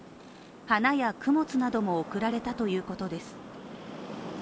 花や供物なども贈られたということです。